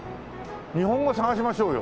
日本語探しましょうよ。